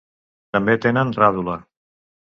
També tenen ràdula.